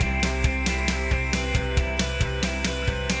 dalam kehidupan air tersebut inbox decode dll